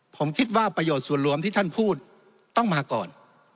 ผมคิดว่าประโยชน์ส่วนรวมที่ท่านพูดต้องมาก่อน